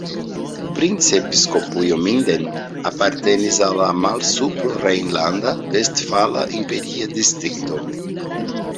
Princepiskopujo Minden apartenis al la Malsuprorejnlanda-Vestfala Imperia Distrikto.